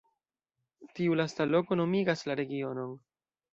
Tiu lasta loko nomigas la regionon.